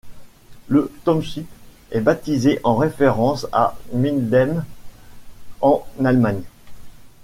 Le township est baptisée en référence à Minden en Allemagne.